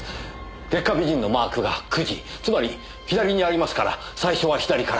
月下美人のマークが９時つまり左にありますから最初は左から。